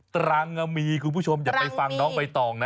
ตรังมีคุณผู้ชมอย่าไปฟังน้องใบตองนะ